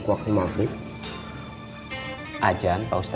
cuman kita pada saat party